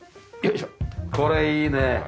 これいいね。